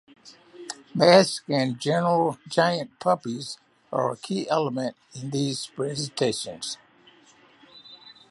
Masks and giant puppets are a key element in these presentations.